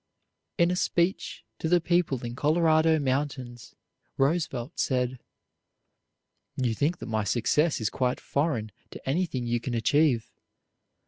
In a speech to the people in Colorado Mountains, Roosevelt said: "You think that my success is quite foreign to anything you can achieve.